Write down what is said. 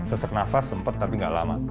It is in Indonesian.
sesek nafas sempet tapi nggak lama